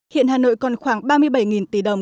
hiện hà nội còn khoảng ba mươi bảy tỷ đồng